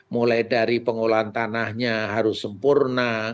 mulai dari pengolahan tanahnya harus sempurna